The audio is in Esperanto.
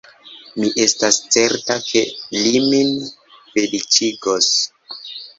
Mi estas certa, ke li min feliĉigos.